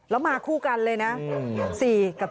แล้วมาคู่กันเลยนะ